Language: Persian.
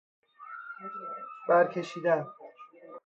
برکشیدن